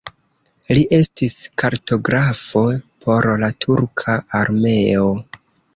Li estis kartografo por la turka armeo.